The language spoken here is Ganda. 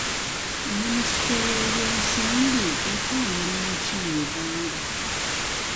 Minisitule y'ebyensimbi ekola mulimo ki mu Uganda?